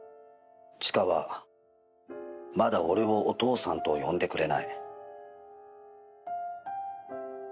「千華はまだ俺をお父さんと呼んでくれない」